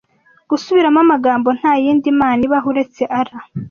Gusubiramo amagambo nta yindi mana ibaho uretse Allah